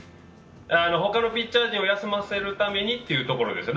ほかのピッチャー陣を休ませるためにということですよ。